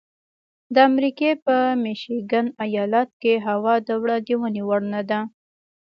د امریکې په میشیګن ایالت کې هوا د وړاندوینې وړ نه ده.